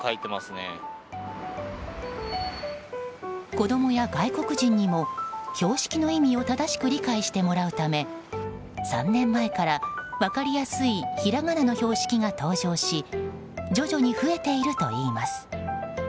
子供や外国人にも標識の意味を正しく理解してもらうため３年前から、分かりやすいひらがなの標識が登場し徐々に増えているといいます。